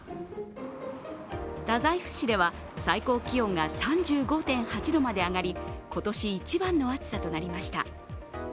太宰府市では最高気温が３５．８度まで上がり、今年一番の暑さとなりました。